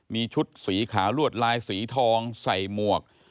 มีชุดสีขาวลวดลายสีทองใส่หมวก